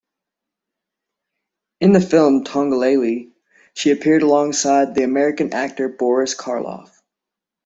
In the film, "Tongolele" she appeared alongside the American actor Boris Karloff.